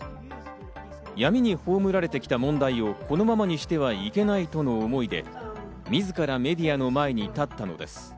闇に葬られてきた問題をこのままにしてはいけないとの思いで、自らメディアの前に立ったのです。